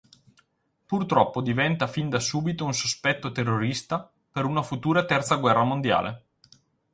Purtroppo diventa fin da subito un sospetto terrorista per una futura terza guerra mondiale.